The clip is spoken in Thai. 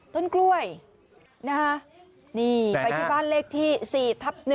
ต้นกล้วยนะคะนี่ไปที่บ้านเลขที่๔ทับ๑